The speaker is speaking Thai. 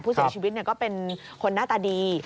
ผู้เสียชีวิตก็เป็นคนหน้าตาดี